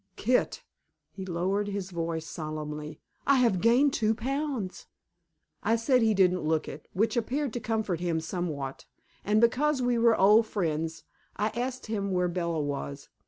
Kit" he lowered his voice solemnly "I have gained two pounds!" I said he didn't look it, which appeared to comfort him somewhat, and, because we were old friends, I asked him where Bella was.